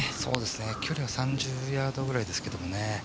距離は３０ヤードぐらいですけどね